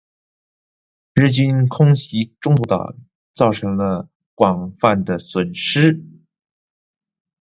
日军空袭中途岛造成了广泛的损失。